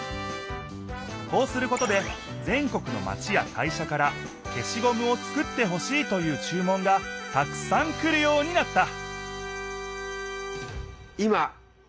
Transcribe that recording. こうすることで全国のまちや会社から消しゴムを作ってほしいという注文がたくさん来るようになった！